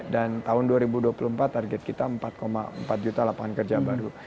dan tahun dua ribu dua puluh empat target kita empat empat juta lapangan kerja baru